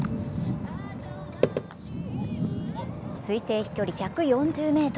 推定飛距離１４０ｍ。